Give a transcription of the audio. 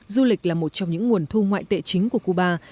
du lịch là một trong những nguồn thu ngoại tệ chính của cuba